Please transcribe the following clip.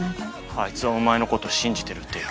あいつはお前の事信じてるってよ。